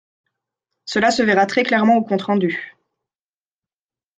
Cela se verra très clairement au compte rendu.